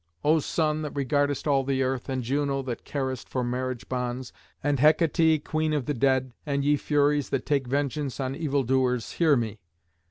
O Sun, that regardest all the earth, and Juno, that carest for marriage bonds, and Hecate, Queen of the dead, and ye Furies that take vengeance on evildoers, hear me.